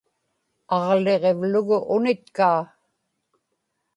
aġligivlugu unitkaa